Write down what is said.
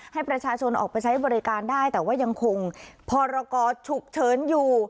ให้ประชาชนออกไปใช้บริการได้แต่ว่ายังคงพรกรฉุกเฉินอยู่